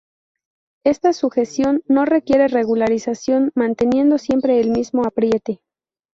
Esta sujeción no requiere regulación, manteniendo siempre el mismo apriete.